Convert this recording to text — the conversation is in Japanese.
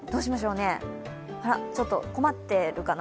ちょっと困ってるかな？